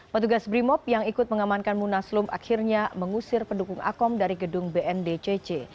petugas brimob yang ikut mengamankan munaslup akhirnya mengusir pendukung akom dari gedung bndcc